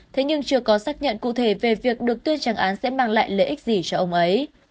thế nhưng chưa có xác nhận cụ thể về việc được tuyên trắng án sẽ mang lại lợi ích gì cho ông ấy